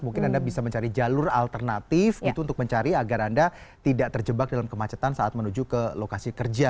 mungkin anda bisa mencari jalur alternatif gitu untuk mencari agar anda tidak terjebak dalam kemacetan saat menuju ke lokasi kerja